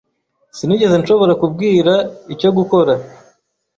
Sinigeze nshobora kubwira icyo gukora.